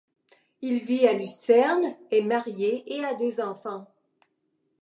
Il vit à Lucerne, est marié et a deux enfants.